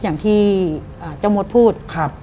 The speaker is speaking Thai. อย่างที่เจ้ามดพูด